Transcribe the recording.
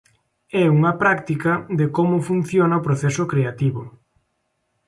É unha práctica de como funciona o proceso creativo.